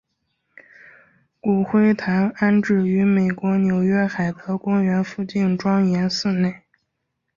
骨灰坛安置于美国纽约海德公园附近庄严寺内。